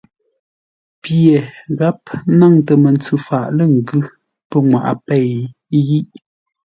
Pye gháp nyáŋtə́ mə́ntsʉ faʼ lə́ ngʉ́ pənŋwaʼa pěi yiʼ.